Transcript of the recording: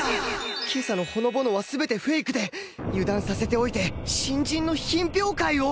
今朝のほのぼのは全てフェイクで油断させておいて新人の品評会を！？